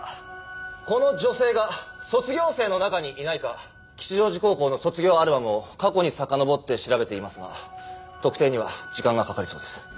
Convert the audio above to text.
この女性が卒業生の中にいないか吉祥寺高校の卒業アルバムを過去にさかのぼって調べていますが特定には時間がかかりそうです。